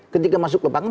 ketika masuk ke lapangan